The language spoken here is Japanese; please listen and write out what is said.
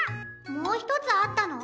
もうひとつあったの？